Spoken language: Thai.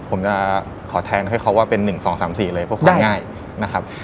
ผมจะขอแทงให้เขาว่าเป็น๑๒๓๔เลยเพราะพูดง่ายนะครับ